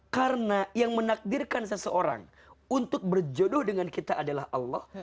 karena yang menakdirkan seseorang untuk berjodoh dengan kita adalah allah